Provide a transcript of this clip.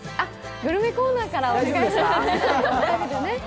グルメコーナーからお願いします。